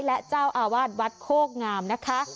และเจ้าอาวาสวัดโคกงามนะคะ